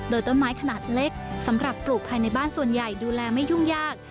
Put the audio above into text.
โดยต้นไม้ขนาดเล็กสำหรับปลูกภายในบ้านส่วนใหญ่ดูแลไม่ยุ่งยาก